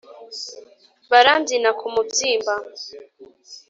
barambyina ku mubyimba